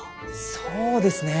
そうですねえ。